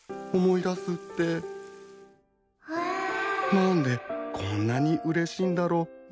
何でこんなにうれしいんだろうね。